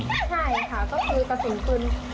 ใช่ค่ะก็คือกระสุนปืน